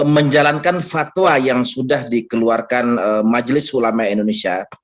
menjalankan fatwa yang sudah dikeluarkan majelis ulama indonesia